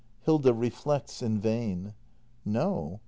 Hilda. [Reflects in vain.] No.